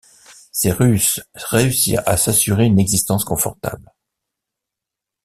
Ces Russes réussirent à s'assurer une existence confortable.